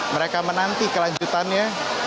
mereka menanti kelanjutannya